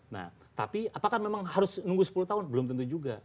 nah tapi apakah memang harus nunggu sepuluh tahun belum tentu juga